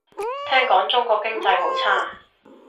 聽講中國經濟好差